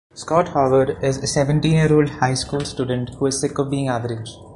Scott Howard is a seventeen-year-old high school student who is sick of being average.